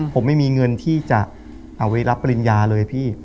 ผมไม่มีเงินที่จะเอาไว้รับปริญญาเลยพี่